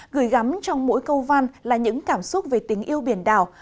gửi gắm trong mỗi câu văn là những cảm xúc về tình yêu biển đảo